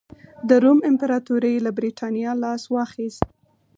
د روم امپراتورۍ له برېټانیا لاس واخیست